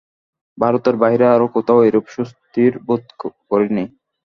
ভারতের বাহিরে আর কোথাও এরূপ সুস্থির বোধ করিনি।